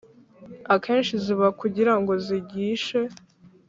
akenshi ziba kugira ngo zigishe